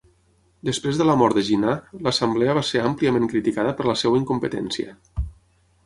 Després de la mort de Jinnah, l'assemblea va ser àmpliament criticada per la seva incompetència.